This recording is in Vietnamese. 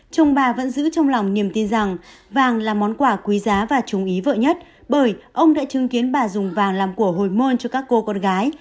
chồng bà vẫn giữ trong lòng niềm tin rằng vàng là món quà quý giá và trúng ý vợ nhất bởi ông đã chứng kiến bà dùng vàng làm của hồi môn cho các cô con gái